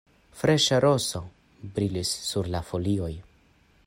Freŝa roso brilis sur la folioj.